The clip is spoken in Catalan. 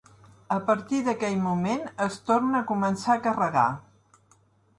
A partir d'aquell moment es torna a començar a carregar.